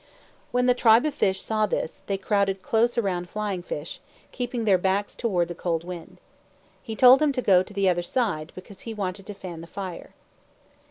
When the tribe of fishes saw this, they crowded close around Flying fish, keeping their backs toward the cold wind. He told them to go to the other side, because he wanted to fan the fire.